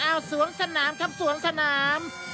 อ้าวสวงสนามครับสวงสนาม